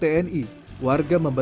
warga memperbaiki perusahaan tersebut